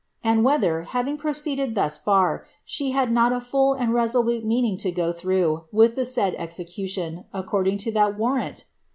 and whether, having proceeded thus ihe had not a full and resolute meaning to go through with the said Blion, according to the warrant